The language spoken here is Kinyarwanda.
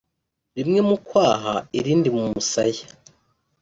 rimwe mu kwaha irindi mu musaya